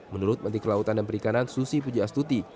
menurut menteri kelautan dan perikanan susi pujiastuti